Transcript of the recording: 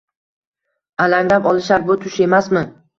Alanglab olishar: “Bu tush emasmi?”